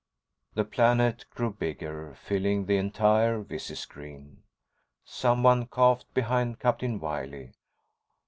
The planet grew bigger, filling the entire visi screen. Someone coughed behind Captain Wiley.